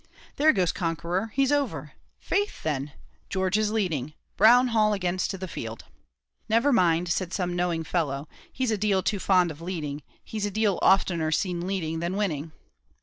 "There goes Conqueror he's over! Faith then, George is leading. Brown Hall against the field!" "Never mind," said some knowing fellow, "he's a deal too fond of leading he's a deal oftener seen leading than winning."